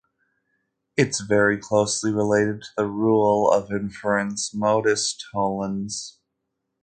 It is very closely related to the rule of inference modus tollens.